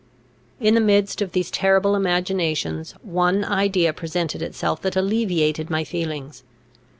In the midst of these terrible imaginations, one idea presented itself that alleviated my feelings.